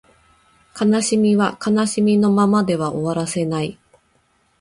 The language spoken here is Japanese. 悲しみは悲しみのままでは終わらせない